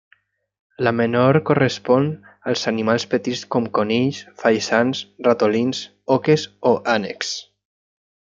La menor correspon als animals petits com conills, faisans, ratolins, oques o ànecs.